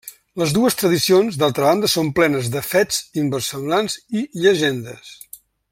Les dues tradicions, d'altra banda, són plenes de fets inversemblants i llegendes.